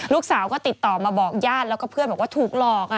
ลูกสาวก็ติดต่อมาบอกญาติแล้วก็เพื่อนบอกว่าถูกหลอก